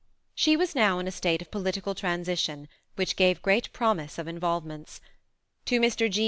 She was now in a state of political transition, which gave great promise of involvements. To Mr. G.'